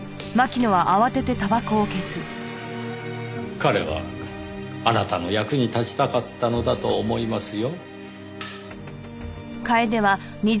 彼はあなたの役に立ちたかったのだと思いますよ。